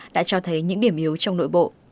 đã cho thấy những điểm yếu trong nội bộ